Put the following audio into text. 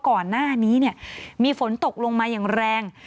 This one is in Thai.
ก่อนหน้านี้เนี่ยมีฝนตกลงมาอย่างแรง